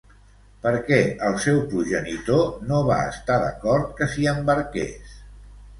Per què el seu progenitor no va estar d'acord que s'hi embarqués?